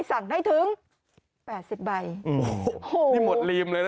สุดยอดดีแล้วล่ะ